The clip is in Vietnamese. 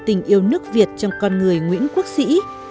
tình yêu nước việt trong con người nguyễn quốc sĩ